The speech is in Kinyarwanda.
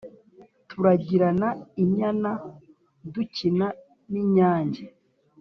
turagirana inyana dukina n’inyange